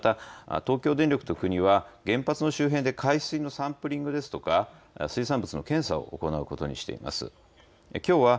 また、東京電力と国は原発の周辺で海水のサンプリングや水産物の検査を行うことにしています。